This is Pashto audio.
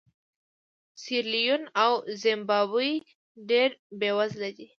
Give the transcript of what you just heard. سیریلیون او زیمبابوې ډېر بېوزله دي.